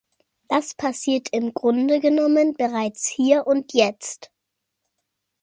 Das passiert im Grunde genommen bereits hier und jetzt.